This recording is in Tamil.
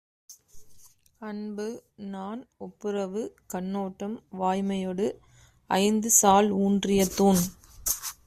அன்பு, நாண், ஒப்புரவு, கண்ணோட்டம், வாய்மையொடு ஐந்து சால்ஊன்றிய தூண்.